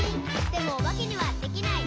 「でもおばけにはできない。」